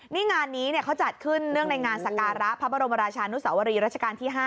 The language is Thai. นี่งานนี้เขาจัดขึ้นเนื่องในงานสการะพระบรมราชานุสวรีรัชกาลที่๕